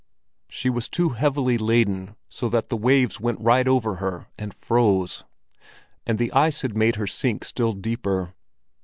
She was too heavily laden, so that the waves went right over her and froze; and the ice had made her sink still deeper.